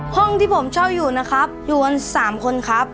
ห้องที่ผมเช่าอยู่นะครับอยู่กัน๓คนครับ